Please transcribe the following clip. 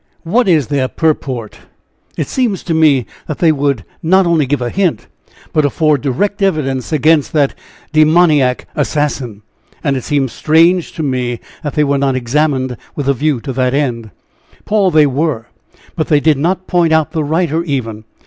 What is their purport? It seems to me that they would not only give a hint, but afford direct evidence against that demoniac assassin. And it seems strange to me that they were not examined, with a view to that end." "Paul, they were; but they did not point out the writer, even.